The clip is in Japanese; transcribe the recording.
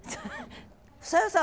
房代さん。